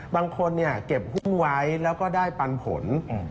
บางคนเก็บหุ้มไว้แล้วก็ได้ปันผล